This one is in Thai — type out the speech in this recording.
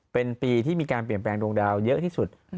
เป็นปีที่มีการเปลี่ยนแปลงดวงดาวเยอะที่สุด